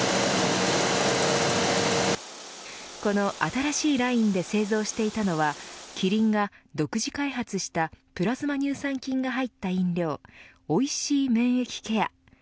この新しいラインで製造していたのはキリンが独自開発したプラズマ乳酸菌が入った飲料おいしい免疫ケア